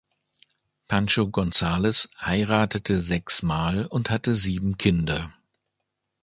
Pancho Gonzales heiratete sechs Mal und hatte sieben Kinder.